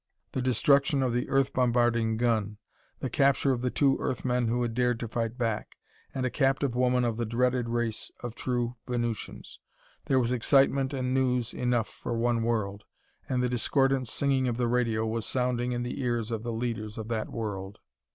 The destruction of the Earth bombarding gun! The capture of the two Earth men who had dared to fight back! And a captive woman of the dreaded race of true Venusians! There was excitement and news enough for one world. And the discordant singing of the radio was sounding in the ears of the leaders of that world.